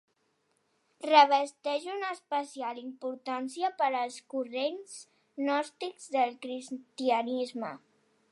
Revesteix una especial importància per als corrents gnòstics del cristianisme.